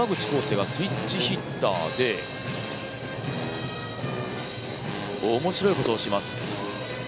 生がスイッチヒッターでおもしろいことをします。